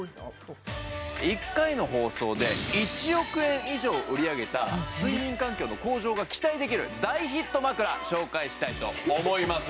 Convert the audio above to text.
１回の放送で１億円以上売り上げた睡眠環境の向上が期待できる大ヒット枕紹介したいと思います